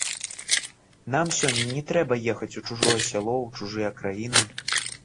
Нам сёння не трэба ехаць у чужое сяло, у чужыя краіны.